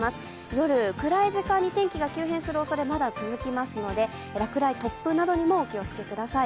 夜、暗い時間に天気が急変するおそれまだありますので落雷、突風などにもお気をつけください。